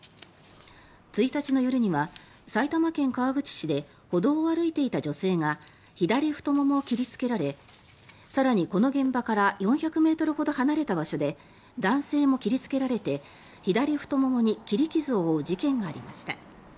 １日の夜には埼玉県川口市で歩道を歩いていた女性が左太ももを切りつけられ更に、この現場から４００ｍほど離れた場所で男性も切りつけられて左太ももに切り傷を負う事件がありました。